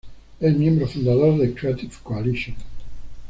Es un miembro fundador de "Creative Coalition".